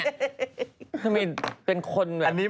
คือเป็นคนแบบ